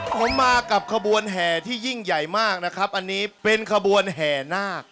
ผมมากับขบวนแห่ที่ยิ่งใหญ่มากนะครับอันนี้เป็นขบวนแห่นาค